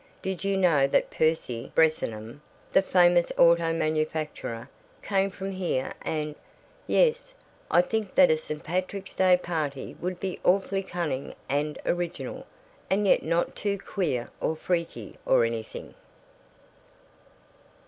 Did you know that Percy Bresnahan, the famous auto manufacturer, came from here and Yes, I think that a St. Patrick's Day party would be awfully cunning and original, and yet not too queer or freaky or anything."